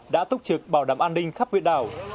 đã túc trực bảo đảm an ninh khắp huyện đảo